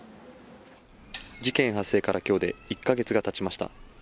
事件発生からきょうで１か月がたちました。